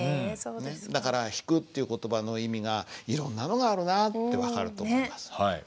だから「引く」っていう言葉の意味がいろんなのがあるなって分かると思います。